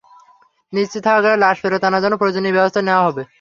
নিশ্চিত হওয়া গেলে লাশ ফেরত আনার জন্য প্রয়োজনীয় ব্যবস্থা নেওয়া হবে।